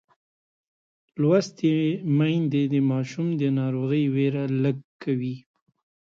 لوستې میندې د ماشوم د ناروغۍ وېره کموي.